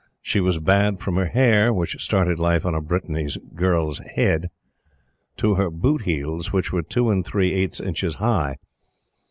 She was bad from her hair which started life on a Brittany's girl's head to her boot heels, which were two and three eighth inches high.